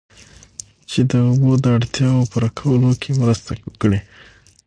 چې د اوبو د اړتیاوو پوره کولو کې مرسته وکړي